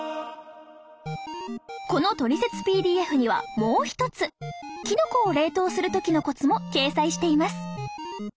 このトリセツＰＤＦにはもう一つきのこを冷凍する時のコツも掲載しています